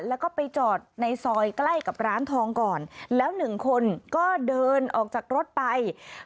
แล้วก็ไปจอดในซอยใกล้กับร้านทองก่อนแล้วหนึ่งคนก็เดินออกจากรถไป